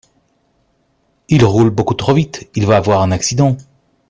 Il roule beaucoup trop vite, il va avoir un accident !